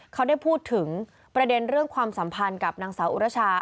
เขาได้พูดถึงประเด็นเรื่องความสัมพันธ์กับนางสาวอุรชา